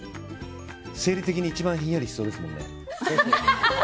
生理的に一番ひんやりしそうですもんね。